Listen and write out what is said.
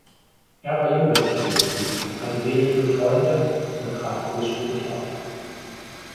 Er war Junggeselle geblieben, hatte wenige Freunde und trat großspurig auf.